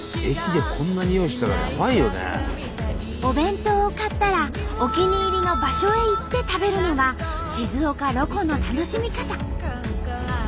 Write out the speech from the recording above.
お弁当を買ったらお気に入りの場所へ行って食べるのが静岡ロコの楽しみ方。